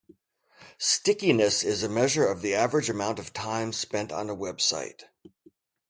Stickiness is a measure of the average amount of time spent on a website.